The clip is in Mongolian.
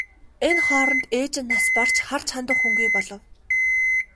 Энэ хооронд ээж нь нас барж харж хандах хүнгүй болов.